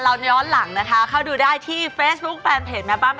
รอคุณผู้ชมก่อนวันนี้ขอบคุณก่อนแล้วกันนะครับ